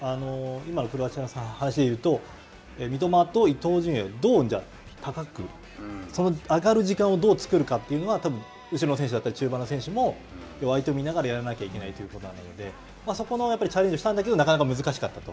今のクロアチア戦の話で言うと、三笘と伊東純也、どう高く、上がる時間をどう作るかというのは、たぶん後ろの選手だったり、中盤の選手も相手を見ながらやらなきゃいけないということなので、そこのチャレンジをしたんだけどなかなか難しかったと。